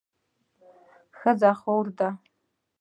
ښځه خور ده